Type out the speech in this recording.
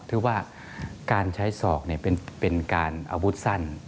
คือว่าการใช้ศอกเป็นการอาวุธสั้น